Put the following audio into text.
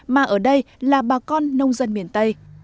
mà ở đây là bà con nông dân miền tây